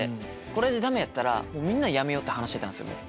これでダメやったらみんなやめようって話してたんすよ。